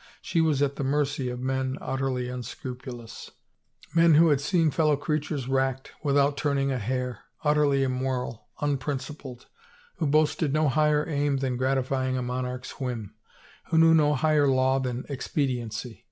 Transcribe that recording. She was at the mercy of men utterly unscrupulous, men who had seen fellow creatures racked, without turning a hair, utterly immoral, unprincipled, who boasted no higher aim than gratify ing a monarch's whim, who knew no higher law than expediency.